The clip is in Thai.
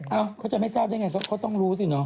เอ้าเขาจะไม่ทราบได้อย่างไรเขาต้องรู้สิเนอะ